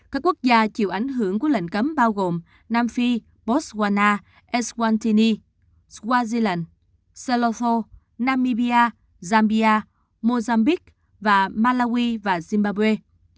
các quốc gia chịu ảnh hưởng của lệnh cấm bao gồm nam phi botswana eswantini swaziland selotho namibia zambia mozambique và malawi và zimbabwe